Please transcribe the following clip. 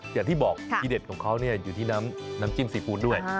อย่างที่บอกทีเด็ดของเขาอยู่ที่น้ำจิ้มซีฟู้ดด้วย